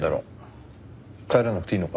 帰らなくていいのか？